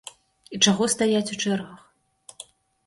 І чаго стаяць у чэргах?